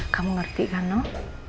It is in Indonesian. kamu ngerti kan noh